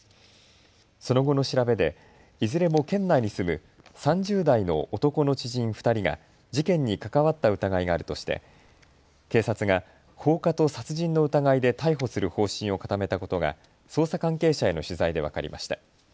その後の調べでいずれも県内に住む３０代の男の知人２人が事件に関わった疑いがあるとして警察が放火と殺人の疑いで逮捕する方針を固めたことが捜査関係者への取材で分かりました。